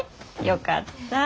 よかった。